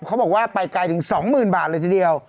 เขาบอกว่าไปไกลถึง๒๐๐๐บาทเลยทีเดียว